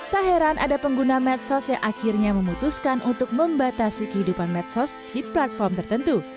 tak heran ada pengguna medsos yang akhirnya memutuskan untuk membatasi kehidupan medsos di platform tertentu